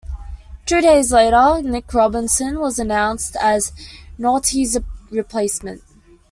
Two days later, Nick Robinson was announced as Naughtie's replacement.